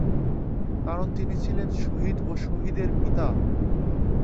কারণ তিনি ছিলেন শহীদ ও শহীদের পিতা।